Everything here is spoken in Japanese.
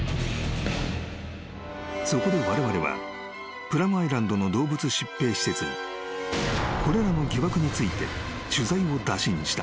［そこでわれわれはプラムアイランドの動物疾病施設にこれらの疑惑について取材を打診した］